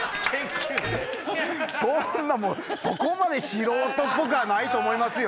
そんなそこまで素人っぽくはないと思いますよ。